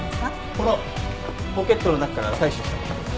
このポケットの中から採取されたものです。